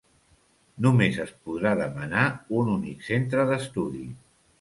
Només es podrà demanar un únic centre d'estudi.